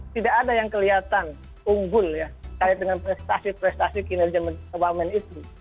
tidak ada yang kelihatan unggul ya kaya dengan prestasi prestasi kinerja wamen itu